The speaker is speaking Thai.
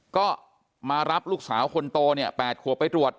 ก็มารับลูกสาวคนโตเนี่ย๘ขวบไปตรวจ